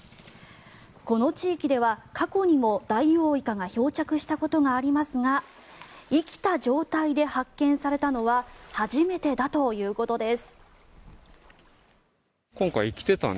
この地域では過去にもダイオウイカが漂着したことがありますが生きた状態で発見されたのは初めてだということです。